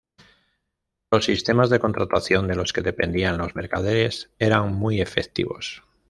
Los sistemas de contratación de los que dependían los mercaderes eran muy efectivos.